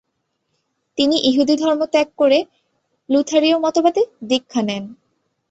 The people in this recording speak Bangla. তিনি ইহুদি ধর্ম ত্যাগ করে লুথারীয় মতবাদে দীক্ষা নেন।